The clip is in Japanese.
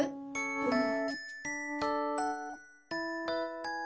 うん。